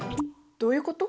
どういうこと？